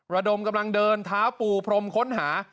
ระดมกำลังเดินเท้าปูพรมค้นหา